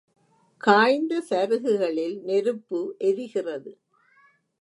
காய்ந்த சருகுகளில் நெருப்பு எரிகிறது.